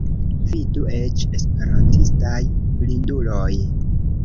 Vidu ĉe Esperantistaj blinduloj.